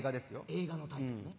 映画のタイトルね。